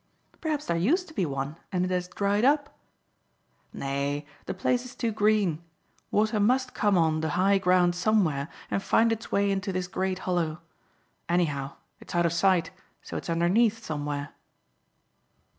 "Perhaps there used to be one, and it has dried up." "Nay; the place is too green. Water must come on the high ground somewhere and find its way into this great hollow. Anyhow, it's out of sight, so it's underneath somewhere."